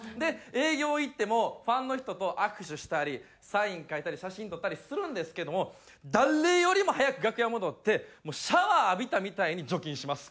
営業行ってもファンの人と握手したりサイン書いたり写真撮ったりするんですけども誰よりも早く楽屋戻ってシャワー浴びたみたいに除菌します